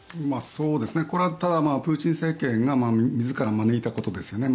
これはプーチン政権が自ら招いたことですよね。